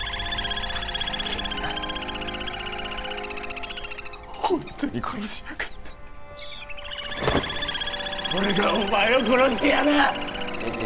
ふざけんなホントに殺しやがって俺がお前を殺してやるシチ